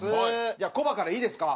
じゃあコバからいいですか？